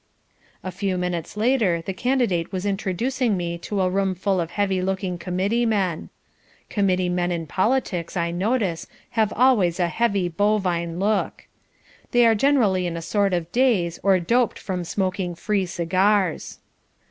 A few minutes later the Candidate was introducing me to a roomful of heavy looking Committee men. Committee men in politics, I notice, have always a heavy bovine look. They are generally in a sort of daze, or doped from smoking free cigars.